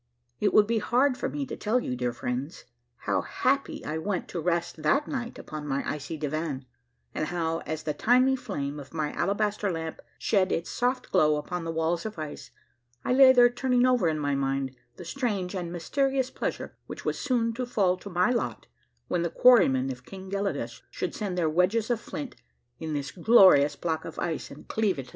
It would be hard for me to tell you, dear friends, how happy I went to rest that night upon my icy divan, and how as the tiny flame of my alabaster lamp shed its soft glow upon the walls of ice, I lay there turning over in my mind the strange and mysterious pleasure which was soon to fall to my lot when the quarry men of King Gelidus should set their wedges of flint in this glorious block of ice and cleave it asunder.